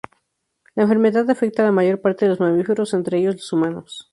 La enfermedad afecta a la mayor parte de los mamíferos, entre ellos los humanos.